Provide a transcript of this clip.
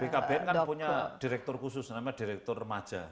bkbn kan punya direktur khusus namanya direktur remaja